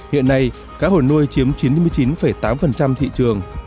hiện nay cá hồ nuôi chiếm chín mươi chín tám thị trường